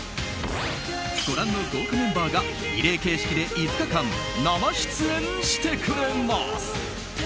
ご覧の豪華メンバーがリレー形式で５日間生出演してくれます。